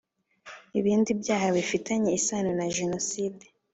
ibindi byaha bifitanye isano na Jenoside